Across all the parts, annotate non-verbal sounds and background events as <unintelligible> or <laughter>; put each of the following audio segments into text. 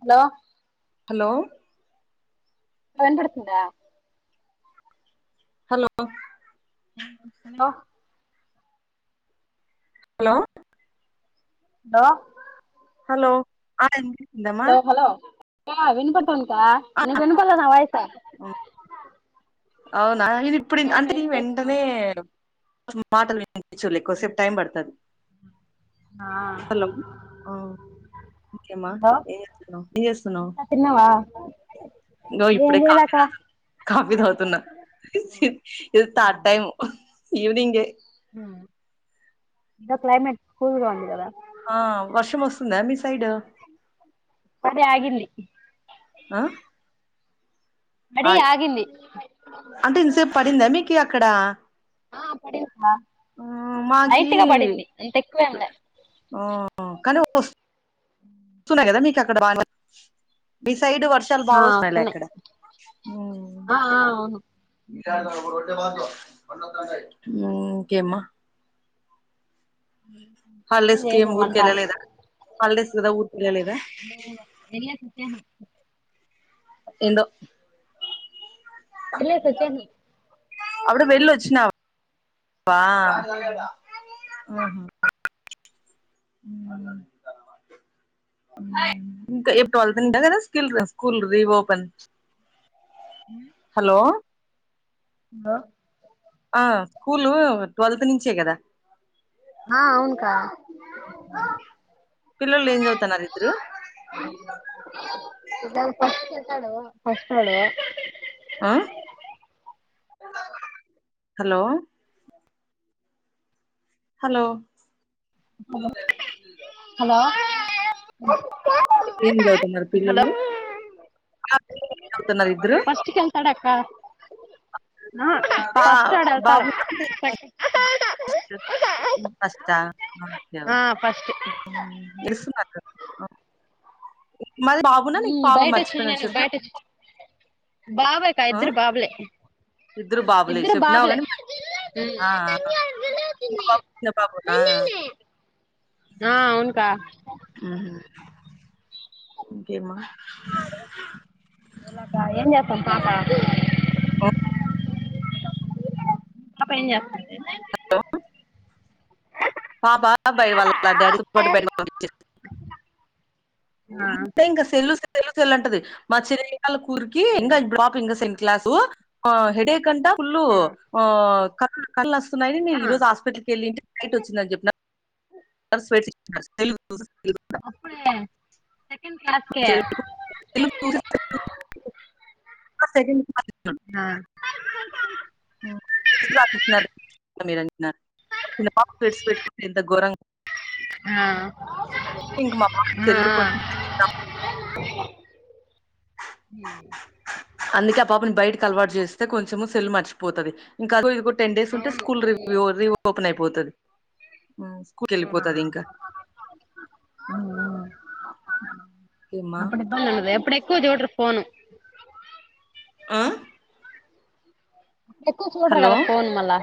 Hello hello pant తడిసిందా hello hello hello hello hello ఆ వి హలో హలో వినబడుతుంద వినపడాలె నా వయసు అ అవునా ఇది ఇప్పుడు అంటే నీ వెంటనే మాటలు వి చూలే ఎక్కువ సేపు టైమ్ పడుతాది ఆ హలో ఆ ఇంకేం మా హలో ఎం చేస్తున్నావు ఎం చేస్తున్నావ్ ఇంకా తిన్నావా ఇంగో ఏం ఇప్పుడే కాఫీ చేయలేక తాగుతున్నా కాఫీ తగుతన్నా ఇది థర్డ్ టైము ఈవినింగ ఆ హ్ ఇంకా క్లైమేట్ కూల్గా ఉందిగా ఆ వర్షం వస్తుందా మీ సైడ్ అదే ఆగింది ఆ పడి ఆయ్ ఆగింది అంటే ఇంతసేపు పడిందా మీకీ అక్కడా ఆ పడింది మా మాకి లైటుగ బడింది అంత ఎక్కువ ఏంలే ఆ కానీ ఒస్ సున గదా మీక్ అక్కడ <inaudible> బిస్ సైడ్ వర్షాలు బా ఆ ఒస్తాయిలే వస్తున్నాయి అక్కడ ఊ ఆ ఆ అవును ఇంకేమ్మా ఊ హల్డేస్ కేం ఊరుకెల్లలేదా హాల్డేస్ గదా ఊరుకెళ్ళ లేదా వెళ్లేసి వచ్చాను ఎండో మల్లే తెచ్చాను అప్పుడు వెళ్ళొచ్చినా <inaudible> వా ఊ ఇంక ఏప్ ట్వెల్వ్ అంట గద స్కిల్ర స్కూల్ రీ వోపెన్ హలో లో ఆ స్కూలూ ట్వెల్త్ నుంచే గదా ఆ అవున్కా <inaudible> పిల్లల్లు ఏం జవుతన్నారు ఇద్దరు కడు ఫష్టోడు ఆ హలో హలో హలో ఏం జవుతున్నరు హలో పిల్లలు పిల్లలు ఏం చదువుతున్నారు ఇద్దరు ఫస్టుక్ ఎల్తాడక్కా ఆ బా ఫస్ట్ ఆడ్ ఎళ్తాడు ఫస్ట్ ఇస్ట్ ఫస్టా ఆ క్యావ్ ఉమ్ <unintelligible> <inaudible> మరి బాబున ని ఉమ్ పావ బయటొచ్చినయి మర్చిపోయిన నేను చెప్ బయటొచ్చి బాబేకా ఇద్దరు బాబులే ఇద్దరు బాబులే ఇద్దరు చెప్పినావ్ బాబులే గానీ ఆ ఆ <inaudible> ఆ అవున్కా ఊహు ఇంకే మా ఎలా అక్క ఏం జేస్తున్ పాప ఒ పాప ఏం జేస్తుంది హలో పాపా బయ్ వాళ్ళ డాడీతొ <inaudible> ఓ ఆ <inaudible> ఇంగ సెల్లు సె తెల్లు తెల్ అంటది మా చిన్నళ్ళ కూరికి ఇంగ <unintelligible> ఇ సన్ క్లాసు ఆ హెడే ఫుల్లు ఆ కళ్ కళ్ళు అస్సున్నాయని ఈ ఆ రోజ్ హస్పిటల్కి ఎళ్ళింటి నైట్ ఒచ్ <unintelligible> <inaudible> అప్పుడే సెకండ్ క్లాస్కే సే <unintelligible> ఆహ్ ట్ ఎంత గర <unintelligible> ఇంక మా పాప ఆ సెల్లు కొంచెం తగ్గిద్దాం ఆ హ అందుకే ఆ పాపని బయటకి అలవాటు చేస్తే కొంచెం సెల్ మర్చిపోతుది ఇంకా ఇది టెన్ డేస్ ఉంటే అవును స్కూల్ివూ రీ ఓపెన్ అయిపోతుది స్కూల్కి వెళ్ళిపోతది ఇంకా ఏమ్మా <unintelligible> ఎక్కువ చూడరు ఫోన్ ఆహ్ ఎక్కువ చూడరు కదా ఫోన్ మల్లా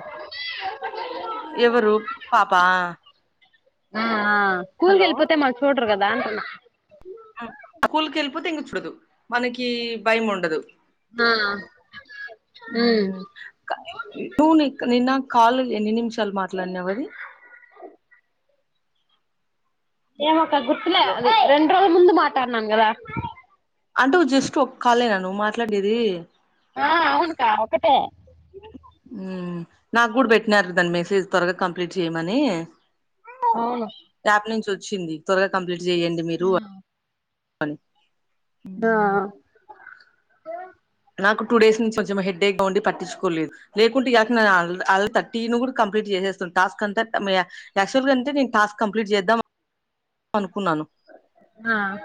ఎవరు పాపాా ఆ స్కూల్ కి వెళ్ళిపోతే మల్ల చూడ్ర గదా అంటున్న స్కూల్కి వెళ్ళిపోతే ఇంకా చూడదు మనకి భయం ఉండదు ఆ ఉమ్ టూ నిన్న కాల్ ఎన్ని నిమిషాలు మాట్లాడినావది ఏను ఒక గుర్తులే రెండు రోజుల ముందు మాట్లాడినాను కదా అంటే జస్ట్ ఒ కాలేనా ను మాట్లాడేనది ఆ అవునుకా ఒక్కటే హమ్ నాకు కూడా పెట్టినారుదాండి మెసేజ్ త్వరగా కంప్లీట్ చేయ్యమని అవును వచ్చింది త్వరగా కంప్లీట్ చేయండి మీరు అని ఆహ్ నాకు టూ డేస్ నుంచి కొంచెం హెడ్డేక్గా ఉండి పట్టించుకోలేదు లేకుంటే ఇక తీర్టీన్ కూడా కంప్లీట్ కంప్ట్ చేసేా టాస్క్ అంతా యాక్చువల్ గా అంటే టాస్క్ కంప్లీట్ చేద్దాం అను ఆహ్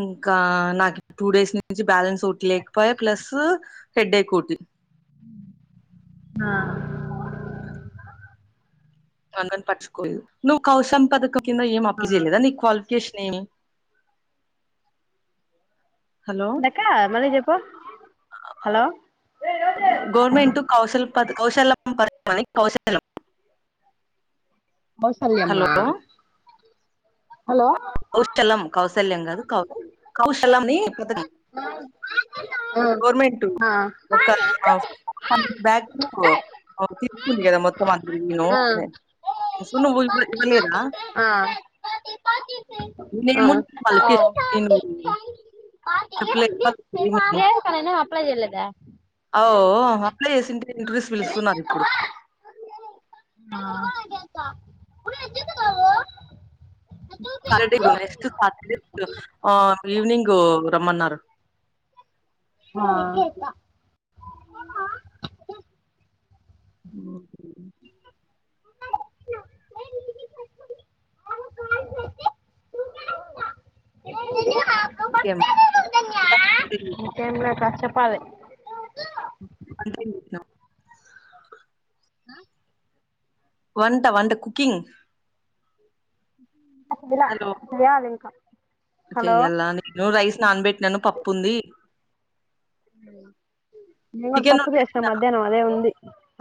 ఇంకా నాకు టూ డేస్ నుంచి బ్యాలెన్స్ ఒకటి లేకపోయ ప్లస్ హెడేక్ ఒకటి ఆహ్ నువ్యూ కౌసంపదక కింద ఏం అప్లైచెయ్య లేదా నీ క్వాలిఫై కిష్నేని ఏంది అక్క మళ్లీ చెప్పు హలో గవర్నమెంట్ కౌల్ కౌశల్యా పథకం మనకి కౌశం కౌ శల్యమ్మా కౌశలం కౌశల్యం కాదు కౌశ కౌశల అని ఆహ్ ఒక బ్యాగ్ తీిసుకు కదా మొత్తం అంతను స <unintelligible> <unintelligible> చెప్పలద ఈమని జలదా <unintelligible> అయ్యో అప్లై చేసింటే ఇంటర్వ్యూస్ కి పిలుస్తున్నారు ఇప్పుడు కుడు ఎతు కావ టర్డే ఇప్పు నెక్స్ట్ సాటర్డే ఇబ్బుడు ఈవనింగ్ రమ్మన్నారు. హా మ్ ఇంకేం <unintelligible> పావె వంటెం చేసినావ్? ఆ వంట వంట కుకింగ్ అవ్వలా చేయ్యాల ఇంకా హలో చెయ్యల్ల నేను రైస్ నానబెట్టినాను పప్పుంది. నేను చికెన్ పప్పు చేసిన వండేసిన మధ్యాహ్నం అదే ఉంది.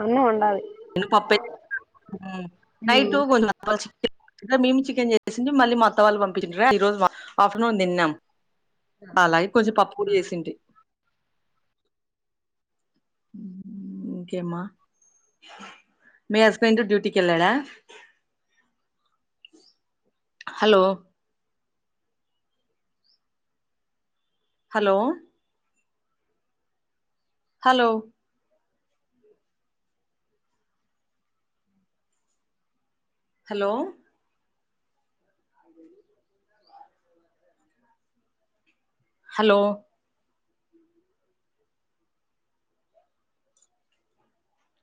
అన్నం వండాలి వీల్లు పప్పె తింటారు మ్ నైట్ ఉమ్ కొంచం అప్పచ్చి మేము చికెన్ చేసింటిమి మళ్ళీ మా అత్త వాళ్ళు పంపించిండిరా, ఈ రోజు ఆఫ్టర్నూన్ తిన్నాం. అలాగే కొంచెం పప్పు కూడ చేసింటి. మ్ మ్ ఇంకేంమ మీ హస్బెండ్ డ్యూటీకెల్లాడ? Hello hello hello hello hello